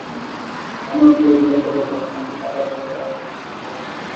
আমার তৈরি হতে হবে আমাকে পাপার সাথে দেখা করতে যেতে হবে।